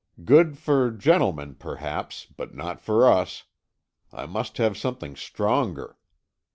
Good for gentlemen, perhaps, but not for us. I must have something stronger."